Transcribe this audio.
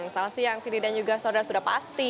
selamat siang fidi dan juga saudara sudah pasti